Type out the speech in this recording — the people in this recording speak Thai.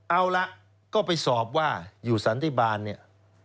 เอาละก็ไปสอบว่าอยู่สันติบาลเนี่ย